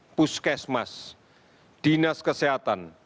yang semua berkaitan dengan perangkat yang berkaitan dengan perangkat